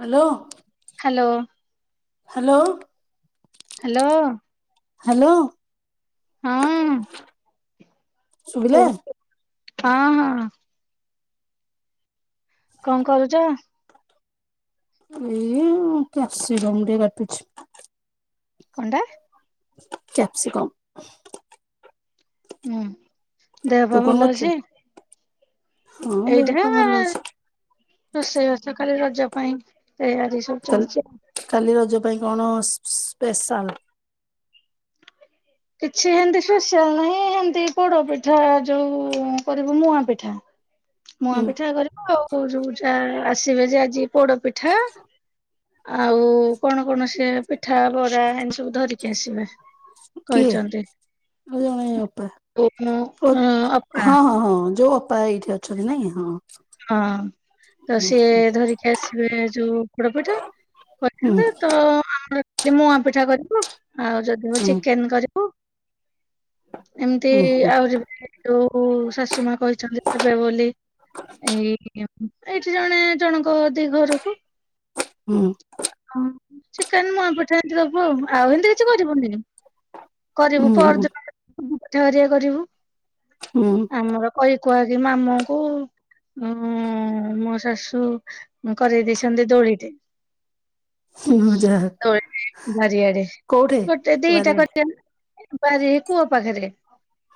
Hello. Hello. Hello. Hello. Hello. ହଁ। ଶୁଭିଲା? କୁହ ହଁ ହଁ। କଣ କରୁଛ? ଏଇ କ୍ୟପ୍ସି କମ୍ ଟିକେ କାଟୁଛି। କଣ ଟା? କ୍ୟାପ୍ସିକମ୍। ହୁଁ ଦେହ ତୁ ପା କଣ ଭଲ କରୁଛୁ? ଅଛି? ହଁ ଦେହ ଏଇଟା ପା ଭଲ ଅଛି ରୋଷେଇ ବାସ କାଲି ରଜ ପାଇଁ ଏୟା ଡିସ। ସ କାଲି ଚାଲଛି। କାଲି ରଜ ପାଇଁ କଣ ସ୍ପି ସ୍ପୀ ସ୍ପେଶାଲ? କିଛି ଏମତି ସ୍ପସିଆଲ ନାହିଁ ଏମତି ପୋଡ ପିଠା ଯୋଉ କରିବୁ ମୁୂଆ ପିଠା। ହ ମୁଆଁ ପିଠା କରିବ ଆଉ ଯୋଉ ଯା ଆସିବେ ଯେ ଆଜି ପୋଡ ପିଠା। ଆଉ କଣ କଣ ସେ ପିଠା ବରା ଏମିତି ସବୁ ଧରିକି ଆସିବେ। କହିଛନ୍ତି। ଆ ଜଣେ ଅପା ଓ ମୁଁ ପ ଅପା ହଁ ହଁ ହଁ ଯୋଉ ଅପାୟ ଏଇଠି ଅଛ ହଁ ତ ହୁଁ ସିଏ ଧରିକି ଆସିବେ ଯୋଉ ପୋଡ ପିଠା। ହୁଁ କହିଥା ତ ଆମର ଯି ମୁଆଁ ପିଠା କରିବୁ ଆଉ ଯଦି ହୁଁ ଚିକେନ କରିବୁ। ଏମିତି ହୁଁ ଆହୁରି ଯୋଉ ଶାଶୁ ମା କହିଛନ୍ତି ଦେବେ ବୋଲି। ଏଇ ଏଇଠି ଜଣେ ଜଣଙ୍କ ଦି ଘରକୁ। ହୁଁ। ହଁ ଚିକେନ ମୁଁଆଁ ପିଠା ଏମିତି ଦବୁ ଆଉ ଏମିତି କିଛି କରିବନିି। ହୁଁ କରିବୁ ହୁଁ ପରଦିନଠ ପିଠା ହରୀକା କରିବୁ ହୁଁ ଆମର କଇ କୁଆ ଯେ ମାମୁଙ୍କୁ ଓ ମୋ ଶାଶୁ କରେଇ ଦେଇଛନ୍ତି ଦୋଳିଟେ। ହୁଁ ଯାହା ତ ଏଟି ବାରିଆଡେ କୋଉଠି ଗୋଟେ ଦିଟା ବାରିଆଡେ କରିଛନ୍ତି। ପରି ଏ କୁହ ପାଖରେ।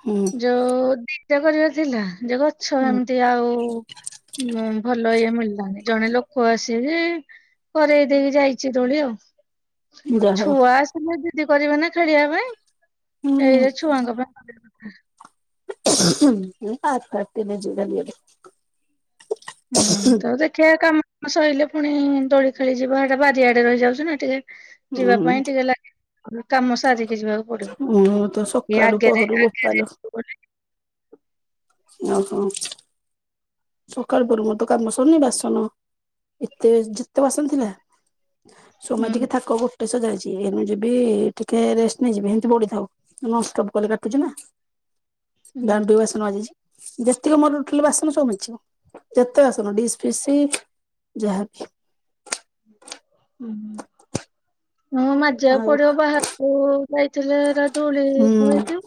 ହୁଁ। ଯୋଉ ଦିଟା କରିବା ଥିଲା ଯେଉ ଗଛ ହୁଁ ଏମିତି ଆଉ। ହଁ ଭଲ ଇଏ ମିଳିଲାନି ଜଣେ ଲୋକ ଆସିବେ କରେଇ ଦେଇକି ଯାଇଛି ଦୋଳି ଆଉ। ଯାହା ହଉ ଛୁଆ ଆସିଲେ ଜିଦି କରିବେ ନା ଖେଳିବା ପାଇଁ ସେଇ ଛୁଆଙ୍କ ପାଇଁ। ହୁଁ [inaudible] [unintelligible] ହୁଁ ତମେ? ଖିଆ କାମ ମ ସଇଲେ ପୁଣି ଦୋଳି ଖେଳିଯିବା ହେଟା ବାରିଆଡେ ରହିଯାଉଛି ନା ଟିକେ- ଯିବା ପାଇଁ ଟିକେ ଲାଗେ। ମୋର ତ ଏ ସକାଳୁ ଆଗରେ ପହଁରୁ ବୋପାଲୋ ଗଲେ ଆଉ କଣ? ସକାଳୁ ପହଁରୁ ମୋର ତ କାମ ସରୁନି ବାସନ ଏତେ ଯେତେ ବାସନ ଥିଲା। ସବୁ ହୁଁ ମାଜିକି ଥାକ ଗୋଟେ ଶଯାହେଇଛି ଏଇନା ଯିବି ଟିକେ ରେଷ୍ଟ ନେଇଯିବି ହେମିତି ପଡ଼ିଥାଉ ନନଷ୍ଟପ୍ କଲେ କାଟୁଚି ନା ହୁଁ। ଦାଣ୍ଡକୁ ଆ ବାସନ ମାଜିଛି ଯେତିକ ମୋର ଟୋଟାଲ ବାସନ ସବୁ ମାଜିଛି। ଯେତେ ବାସନ ଡିସ୍ ଫିସ୍ ଯାହାବି ଉଁ ହୁଁ ମୁଁ ମାଜିବାକୁ ଆଉ ପଡ଼ିବ ବାହାରକୁ ଯାଇଥିଲେ ହେରା ଧୂଳି ହୁଁ ଧୂଳିଟା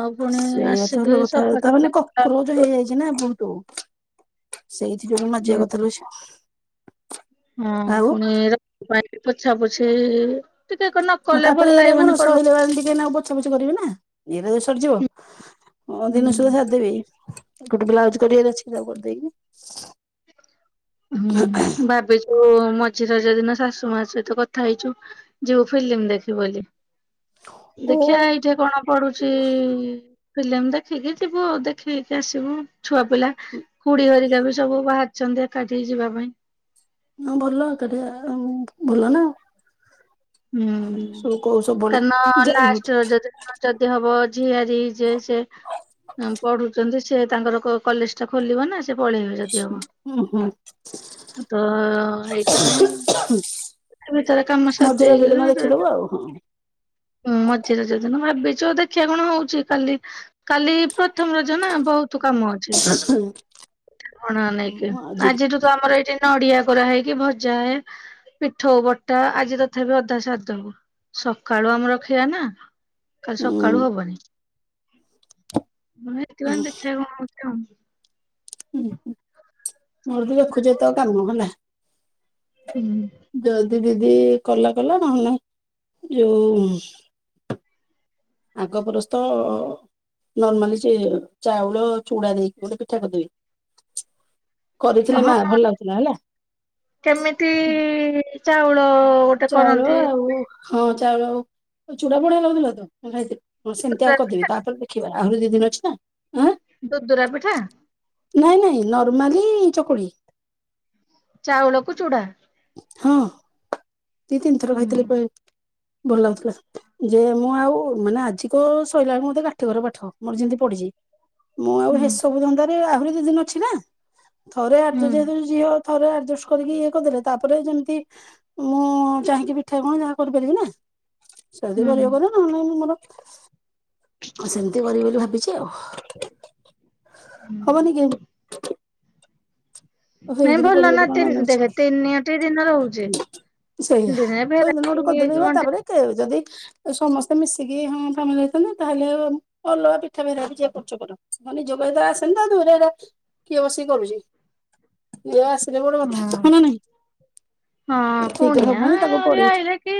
ଆଉ ପୁଣି ସେଇଆ ତ ହେଲା ଆସିକି କଥା ତା ସଫାସୁତୁରା ହୁଁ [unintelligible] ହଁ ଆଉ ପୁଣି ର ଭାଇ ପୋଛା ପୁଛି ଆଉ ତାପରେ ଏଇରା କଣ ସଇଲା ବେଳେ ଟିକେ ଏଇନା ପୋ ପୋଛା ପୁଛି କରିବି ନା ଏଇନାକେ ସରିଯିବ ପହରଦିନ [unintelligible] ହୁଁ। ସାରିଦେବି। ଗୋଟେ ବ୍ଲାଉଜ କରିବାର ଅଛି ତାକୁ କରିଦେଇକି ହୁଁ ଭାବିଚୁ ମଝି ରଜ ଦିନ ଶାଶୁ ମା ସହିତ କଥା ହେଇଛୁ। ଯିବୁ ଫିଲ୍ମି ଦେଖିବୁ ବୋଲି ଓ ଦେଖିଆ ଏଇଠି କଣ ପଡ଼ୁଚି। ଫିଲ୍ମି ଦେଖିକି ଯିବୁ ଦେଖିକି ଆସିବୁ ଛୁଆ ପିଲା ଖୁଡି ହରିକା ବି ସବୁ ବାହାରିଛନ୍ତି ଏକାଠି ହେଇ ଯିବା ପାଇଁ। ହଁ ଭଲ ଏକାଠିଆ ଆଉ ଭଲ ନା। ହୁଁ ସବୁ କଉ ସବୁବେଳେ କାରଣ ଯାଇ ହଉଛି ଲାଷ୍ଟ ରଜ ଦିନ ଯଦି ହବ ଝିଆରି ଯେ ସେ ପଢୁଛନ୍ତି ସେ ତାଙ୍କର କ କଲେଜଟା ଖୋଲିବ ନା ସେ ପଳେଇବେ ଯଦି ହବ। ହୁଁ ହୁଁ ତ ହେଇଥିପାଇଁ ତା ଭିତରେ କାମ ସା ମଝି ରଜ ଦେଇକି ଦିନ ନା ସେ ଦେଖିଦବୁ ଆଉ ହଁ। ହୁଁ ମଝି ରଜ ଦିିନ ଭାବିଛୁ ଦେଖିବା କଣ ହଉଛି କାଲି। କାଲି ପ୍ରଥମ ରଜ ନା ବହୁତ କାମ ଅଛି। [unintelligible] ନେଇକି ଆଜି ଆଜିଠୁ ତ ଆମର ଏଇଠି ନଡିଆ କୋରା ହେଇକି ଭଜାଏ ପିଠୋଉ ବଟା ଆଜିର ତଥାପି ଅଧା ସାରିଦବୁ ସକାଳୁ ଆମର ଖିଆ ନା। କାଲି ହୁଁ ସକାଳୁ ହବନି। ମୁଁ [unintelligible] ହେଥିପାଇଁ ଦେଖିଆ କଣ ହଉଚି ଆଉ। ଉଁ ହୁଁ ମୋର ବି [unintelligible] ଏଇତ କାମ ହେଲା। [inaudible] ଯଲ୍ଦି ଦିଦି କଲା କଲା ନହେଲେ ନାହିଁ। ଯୋଉ ଆଙ୍କ ପରସ୍ତ ନର୍ମାଲି ସେ ଚାଉଳ ଚୂଡା ଦେଇକି ଗୋଟେ ପିଠା କରିଦେବି। କରିଥିଲେ ହଁ ମା ଭଲ ଲାଗୁଥିଲା ହେଲା। କେମିତି ଚାଉଳ ଗୋଟେ ଚାଉଳ କରନ୍ତି ଆଉ ହଁ ଚାଉଳ ଆଉ ଆଉ ଚୁଡା ଫୂଡ଼ା ଖାଉଥିଲ ତ ହଁ ଖାଇଥିଲି। ହଁ ସେମିତିଆ କରିଦେବି ତାପରେ ଦେଖିବା ଆହୁରି ଦି ଦିନ ଅଛି ନାଁ। ଦୁଦୁରା ପିଠା। ନାଇଁ ନାଇଁ ନର୍ମାଲି ଚକୁଳି ଚାଉଳକୁ ଚୁଡା। ହଁ ଦି ତିନିଥର ହୁଁ କହିଥିଲେ ଭଲ ଲାଗୁଥିଲା। ଯେ ମୁଁ ଆଉ ମାନେ ଆଜି କ ସରିଲା ବଳେ ମତେ କାଠି କର ପାଠ ମୋର ଯେମିତି ପଢିଛି। ମୁଁ ଆଉ ହୁଁ ହେସବୁ ଧନ୍ଦାରେ ଆହୁରି ଦି ଦିନ ଅଛି ନା ଥରେ ଆର୍ ହୁଁ ଯେତୁ ଝିଅ ଥରେ ଆଡଜଷ୍ଟ କରିକି ଇଏ କରିଦଲେ ତାପରେ ଯେମିତି ମୁଁ ଚାହିଁକି ପିଠା କଣ ଯାହା କରିପାରିବି ନା [unintelligible] ହୁଁ ନ ନାଇ ମୁଁ ମୋର ସେମିତି କରିବି ବୋଲି ଭାବିଛି ଆଉ। ହୁଁ ହବ ନିକି। ଓଃ ହେଇ ନାଇଁ ଦିନ କରିବ ଭଲ ନା ବୋଲି କଣ ତିନି ଦେଖେ ମାନେଅଛି। ତିନିଟି ଦିନ ରହୁଛି ସେଇଆ ଦିନେ ତ ଗୋଟେ ଭେରାଇଟି କରିଦିନେଇବା କଣଟି ତାପରେ ଯଦି। ସମସ୍ତେ ମିଶିକି ହଁ ଫାମିଲ ଯାଇଛନ୍ତି ତାହେଲେ ଆଉ। ଅଲଗା ପିଠା ଫ ଯିଏ କରୁଛ କର ନିଜ କହି ତ ଆସନିତା ଦୂରେଇଟା କିଏ ବସିକି କରୁଛି। ଏ ଆସିଲେ ବୋଟେ କଥା ହଁ ନା ନାହିଁ। ହଁ ପୁଣିଆ ତାକୁ ପଡି ଆହିଲେକି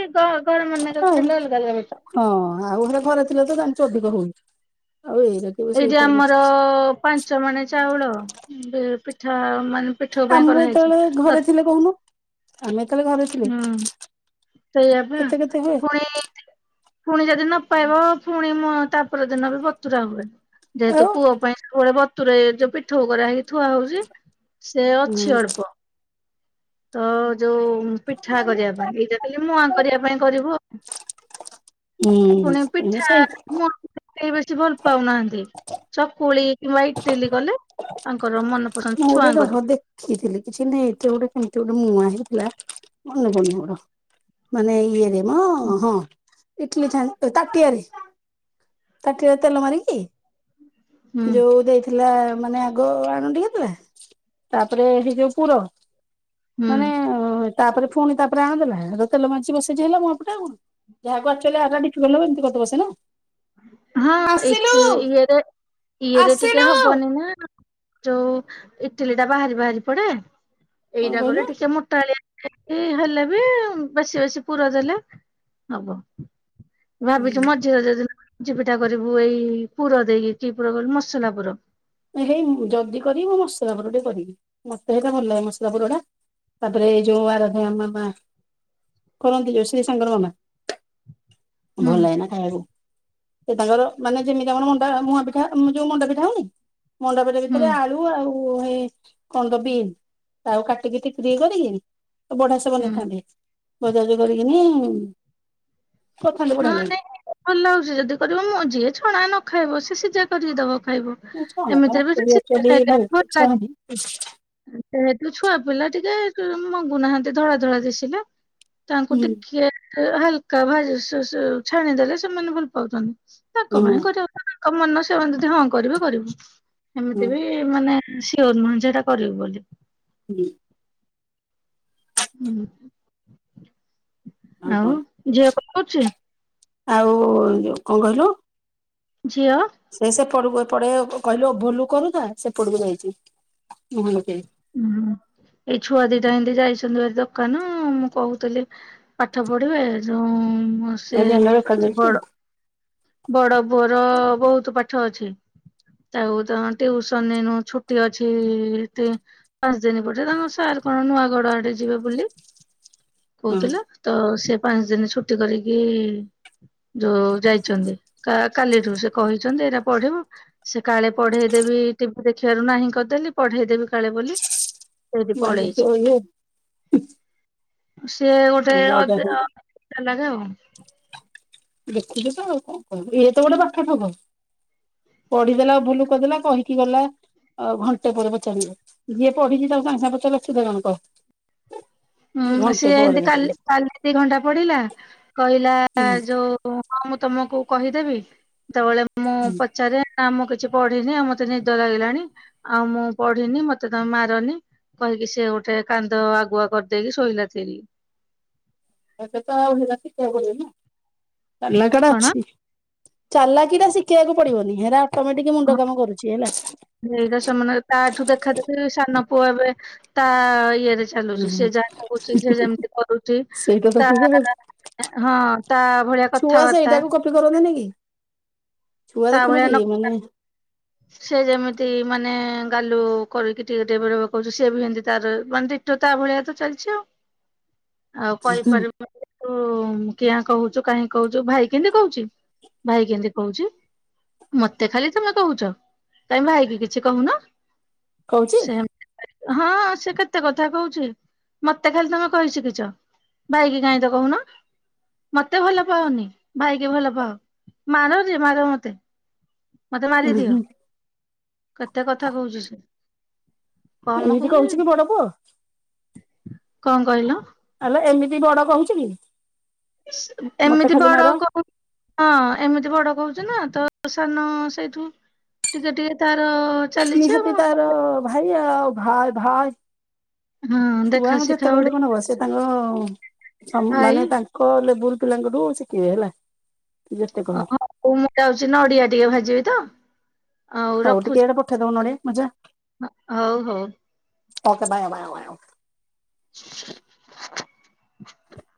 ଘର ମ ଉଠିଲା ଆଉ ଅଲଗା। ହଁ ଆଉ ଘରେ ଘରେ ଥିଲେ ତ ଜାଣିଛ ଅଧିକ ହଉ ଆଉ ଏଇରା କିଏ ବସି ଏଇ ଯେ ବେପାର ଆମର କରୁଛି ପାଞ୍ଚ ମାନେ ଚାଉଳ ପିଠା ମାନେ ପିଠଉ ପାଇଁ ଆମର କରାହେଇଛି। ଯେତେବେଳେ ଘରେ ଥିଲେ କହୁନୁ। ଆମେ ତାହେଲେ ଘରେ ଥିଲେ ହୁଁ ସେୟାପା କେତେ କେତେ ହୁଏ ଫୁଣି ପୁଣି ଯଦି ନପାଇବା ପୁଣି ମ ତା ର ଦିନ ବି ବତୁରା ହୁଏ ଯେହେତୁ ଆଉ ପୁଅ ପାଇଁ ସବୁବେଳେ ବ ତରେ ଯୋଉ ପିଠ କର ହେଇକି ଥୁଆ ହଉଛି ସେ ଅଛି ଅଳ୍ପ ତ ଯୋଉ ପିଠା କରିବା ପାଇଁ ଏଇଟା କହିଲି ମୁ ଆଁ କରିବା ପାଇଁ କରିବୁ। ହୁଁ ପୁଣି ହୁଁ ପିଠା ସେଇ ମ କେହି ବେଶୀ ଭଲ ପାଉନାହାନ୍ତି ଚକୁଳି କିମ୍ବା ଇଟଲି କଲେ ତାଙ୍କର ମନ ମୁଁ ରହ ଦେଖ ଦେଖିଥିଲି କିଛି ନାଇଁ ଏତେ ଗୋଟେ କେମତି ଗୋଟେ ମୁଆଁ ହେଇଥିଲା ମନେ ପଡୁନି ମୋର। ମାନେ ଇଏରେ ମ ହଁ। ଇଟଲିି ଛ ତାଟିଆରେ ତାଟିଆରେ ତେଲ ମାରିକି ହୁଁ ଯୋଉ ଦେଇଥିଲା ମାନେ ଆଗ ଆଣ ଟିକେ ତାପରେ ହେଇଯଉ ପୁର ହୁଁ ମାନେ ତାପରେ ପୁଣି ତାପରେ ଆଣ ଦେଲା ତେଲ ମାଜିି ବସେଇଛିି ହେଲା ମୁଆ ପଟେ ଆଗଣ। ଯାହାକୁ ଅଲ୍କୁଆଲି ବ ଏମିତି କରିଦବ ସେ ନା? ହଁ ଏଠି ଇଏରେ ଇଏରେ ଟିକେ ଆସିଲୁ ହବନି ନା। ଯୋଉ ଇଟିଲି ଟା ବାହାରି ବାହାରି ପଡେ କଣ ଏଇଟା କହିଲୁ କରି ଟିକେ ମୋଟା ଳିଆ ଏଇ ହେଲେ ବି ବେଶୀ ବେଶୀ ପୁର ଦେଲେ ହବ। ଭାବିଛୁ ହୁଁ ମଝିରେ ଯଦିନ ମଞ୍ଝି ପିଠା କରିବୁ ଏଇ ପୁର ଦେଇକି କି ପୁର କୁ ମସଲା ପୁର। ହେଇ ଜଦି କରିବୁ ମସଲା ପୁର କରିବୁ ମତେ ହେଇଟା ଭଲ ଲାଗେ ମସଲା ପୁର ଟା। ତାପରେ ଯୋ ଆରାଧ ଆମ ମା କରନ୍ତି ଯୋ ଶ୍ରୀ ଶଙ୍କର ମାମା ହୁଁ ଭଲାଗନା। ହଉ ସିଏ ତାଙ୍କର ମାନେ ଯେମିତି ଆମର ମଣ୍ଡା ମୁଆଁ ପିଠା ଯୋଉଁ ମଣ୍ଡା ପିଠା ହଉନି ମଣ୍ଡାପିଠା ହୁଁ ଭିତରେ ଆଳୁ ଆଳୁ ଆଉ ହେଁ କଣତ ବିମୀ ତାକୁ କାଟିକି ଟିକି ଟିକି କରିକି। ବଢିଆ ସେ ହୁଁ ବନେଇଥାନ୍ତି। ଭଜାରେ କରିକିନି କୋଥାଲୁ ହଁ ଗୁଡାକ। ନାଇଁ ଭଲ ଲାଗୁଛି ଯଦି କରିବ ମୋ ଯିଏ ଛଣା ନ ଖାଇବ ସିଏ ସିଝା କରିକି ଦବ ଖାଇବ। ନାଇଁ ଛଣା ତ ମୋ ଏମିତିରେ ବି ସିଝା ଆଚ୍ୟୁୟେଲି ଖାଇଲେ ବି ଭଲ ଖାଇବାକୁ ଇଚ୍ଛା ଲାଗେ ହଉନି। ଯେହେତୁ ଛୁଆ ପିଲା ଟିକେ କଁ ମଙ୍ଗୁନାହାନ୍ତି ଧଳା ଧଳା ଦିଶିଲେ। ତାଙ୍କୁ ହୁଁ ଟିକେ ହାଲକା ଭାଜ ସଁ ସଁ ଛାଣିଦେଲେ ସେମାନେ ଭଲ ପାଉଛନ୍ତି। ତାଙ୍କ ହଁ ପାଇଁ କରିବା କଥା ତାଙ୍କ ମନ ସେମାନେ ଯଦି ହଁ କରିବେ କରିବୁ ହଁ ଏମିତି ବି ଏ ମାନେ ସିୟର ନୁହେଁ ଯେ ଏଇଟା କରିବୁ ବୋଲି। ଉଁହୁଁ। ହୁଁ। ଆଉ ଝିଅ କଣ କରୁଛି? ଆଉ ଯୋଉଁ କଣ କହିଲୁ? ଝିଅ? ସେ ସେପଟକୁ ଏପଟେ କହିଲୁ ଭୋଲୁ କରୁଥା ସେପଟକୁ ଯାଇଛି। ମୁହଁ ଲୁଚେଇଁ ଉଁହୁଁ ଏଇ ଛୁଆ ଦିଟା ଏମିତି ଯାଇଛନ୍ତି ବା ଦୋକାନ ମୁଁ କହୁଥିଲି ପାଠ ପଢିବେ ଯୋଉଁ ସେ ମୋ ଦେହ ଦେଖାଯାଉଛି ସେବଡ ବଡ ପୁଅର ବହୁତ ପାଠ ଅଛି। ତାଉ ତ ଟିଉସନ ଏଁନୁ ଛୁଟି ଅଛି ପାଞ୍ଚ ଦିନ ପଟେ ତାଙ୍କର ସାର୍ କଣ ନୂଆଘର ଆଡେ ଯିବେ ବୋଲି। କହୁଥିଲେ ତ ସେ ପାଞ୍ଚ ଦିନ ଛୁଟି କରିକି ଯୋଉଁ ଯାଇ ଛନ୍ତି କା କାଲିଠୁଁ ସେ କହିଛନ୍ତି ଏଇଟା ପଢିବ ସେ କାଳେ ପଢେଇଦେବେ ଟିଭି ଦେଖିବାରୁ ନାହିଁ କରିଦେଲି ପଢେଇଦେବି କାଳେ ବୋଲି। ସେଇଠି ଭାଇ ପଳେଇଛି କତିରେ ପଢିବ। ସିଏ ଗୋଟେ ହଁ ଅଦେ ଅଁ ଡାଲାରେ ଆଉ। ଦେଖୁଛୁ ତ ଆଉ କଣ କିହିବୁ। ଇଏ ତ ଗୋଟେ ପାଠ ଠକ। ପଢିଦେଲା ଭୁଲୁ କରିଦେଲା କହିକି ଗଲା। ଆଉଁ ଘଣ୍ଟେ ପରେ ପଚାରିବ। ଯିଏ ପଢିଛି ତାଙ୍କୁ ସାଙ୍ଗେ ସାଙ୍ଗେ ପଚାରିଲେ ଖୁଦ୍ଧ ଜଣକ। ହୁଁ ସିଏ ଏମିତି କାଲି କାଲି ଦି ଘଣ୍ଟା ପଡିଲା କହିଲା ହୁଁ ଯୋଉଁ। ହଁ ମୁଁ ତମକୁ କହିଦେବି ସେତେବେଳେ ମୁଁ ହୁଁ ପଚା ପଚାର ନାଁ ମୁଁ କିଛି ପଢିନି ଆ ମୋତେ ନିଦ ଲାଗିଲାଣି ଆଉ ମୁଁ ପଢିନି ମୋତେ ତମେ ମାରନି କହିକି ସିଏ ଗୋଟେ କାନ୍ଦ ଆଗୁଆ କରିଦ ଦେଇକି ଶୋଇଲା ଥିରିକି। ତତେ ତ ଆଉଁ ହେଲା ଶୀତ କରିବନି ତାଲା ଟା କଣ ଅଛି। ଚାର୍ଲହାକି ଟା ଶିଖେଇବାକୁ ପଡିବନି ହେରା ଅଟୋମେଟିକ ମୁଣ୍ଡ କାମ କରୁଛି ହେଲା। ନିଜ ସାମ୍ନା ରେ ତାଠୁ ଦେଖା ଦେଖି ସାନ ପୁଅ ଏବେ ତା ଇଏରେ ଚାଲୁଛି ସେ ହୁଁ ଯାହା କହୁଛି ସେ ଯେମିତି କରୁଛି ସେଇଟା ତ ତା ହୁଏ ଆଉ ଆଁ ଆଁ ହଁ ତା ଭଳିଆ ଛୁଆ କଥାବାର୍ତ୍ତା ସେଇଟାକୁ କପି କରନ୍ତିନି କି ଛୁଆ ତା ଦେଖୁନୁ ଭଳିଆ କି ନ ମାନେ ସେ ଯେମିତି ମାନେ ଗାଲୁ କରିକି ଟିକେ ବେଳେ ବେଳେ କରୁଚି ସେ ବି ଏମିତି ତାର ମାନେ ଡିଟୋ ତା ଭଳିଆ ତ ଚାଲିଛି ଆଉଁ। ଆଉ କହିପାରିବୁ [inaudible] ହଁ, କିଆଁ କହୁଚୁ, କାହିଁ କହୁଚୁ, ଭାଇ କେମିତି କହୁଚି, ଭାଇ କେମିତି କହୁଚି? ମତେ ଖାଲି ତମେ କହୁଚ, କାଇଁ ଭାଇକି କିଛି କହୁନ, କହୁଛି ସେ ହଁ, ସେ କେତେ କଥା କହୁଚି, ମତେ ଖାଲି ତମେ କହି ଶିଖିଚ। ଭାଇ କିି କାଇଁ ତ କହୁନ? ମତେ ଭଲ ପାଅନି, ଭାଇକି ଭଲ ପାଅ, ମାର ଯେ ମାର ମତେ। ମତେ ମାରିଦିଅ, କେତେ କଥା କହୁଚି ସେ। କମ୍ ଏମିତି କୁହେ, କହୁଛି କି ବଡ ପୁଅ କଣ କହିଲ? ଆଲୋ ଏମିତି ବଡ କହୁଚି କି? ମତେ ଏମିତି ଖାଲି ବଡ ମାର କହୁ ହଁ ଏମିତି ବଡ କହୁଚି ନା, ତ ସାନ ସେଇଠୁ ଟିକେ ଟିକେ ତାର ଚାଲିଛି ଆଉ ନିହାତି ତାର ଭାଇ ଆଉ, ଭାଇ ଭାଇ ହଁ ଦେଖା ଛୁଆଙ୍କୁ ଶିଖା ଯେତେ କହିଲେ ଗୋଟେ କଣ ହବ? ସେ ତାଙ୍କ, ଭାଇ ମାନେ ତାଙ୍କ ଲେବୁଲ୍ ପିଲାଙ୍କଠୁ ଶିଖିବେ ହେଲା। ଯେତେ କହ ହଉ ମୁଁ ଯାଉଚି ନଡିଆ ଟିକେ ଭାଜିବି ତ ଆଉ ହଉ ଟିକେ ରଖୁଚି, ଏଇଟା ପଠେଇଦବ ନଡିଆ ମଜା ହଉ ହଉ ଓକେ ବାୟ ବାୟ ବାୟ। [unintelligible]